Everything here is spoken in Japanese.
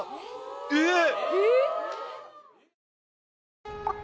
えっ！